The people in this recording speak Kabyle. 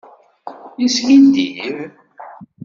Yeskiddib.